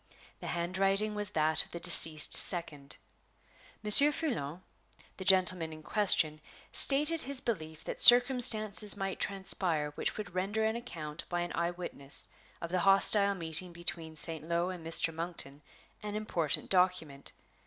The hand writing was that of the deceased second. Monsieur Foulon, the gentleman in question, stated his belief that circumstances might transpire which would render an account by an eyewitness of the hostile meeting between St. Lo and Mr. Monkton an important document.